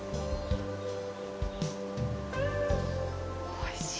おいしい。